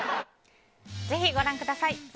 ぜひ、ご覧ください。